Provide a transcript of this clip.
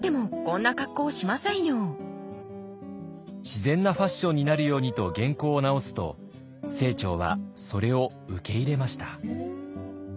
自然なファッションになるようにと原稿を直すと清張はそれを受け入れました。